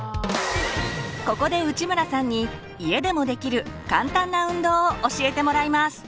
ここで内村さんに家でもできる簡単な運動を教えてもらいます。